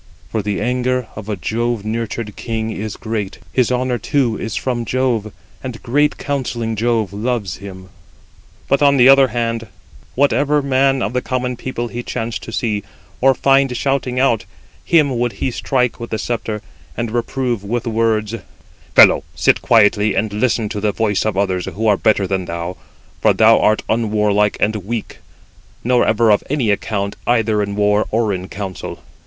For the anger of a Jove nurtured king is great; his honour too is from Jove, and great counselling Jove loves him." But on the other hand, whatever man of the common people he chanced to see, or find shouting out, him would he strike with the sceptre, and reprove with words: "Fellow, sit quietly, and listen to the voice of others, who are better than thou; for thou art unwarlike and weak, nor ever of any account either in war or in council.